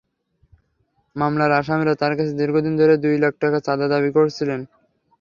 মামলার আসামিরা তাঁর কাছে দীর্ঘদিন ধরে দুই লাখ টাকা চাঁদা দাবি করছিলেন।